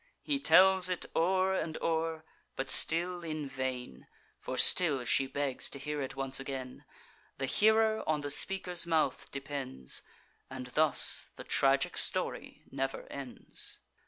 He tells it o'er and o'er; but still in vain, For still she begs to hear it once again. The hearer on the speaker's mouth depends, And thus the tragic story never ends.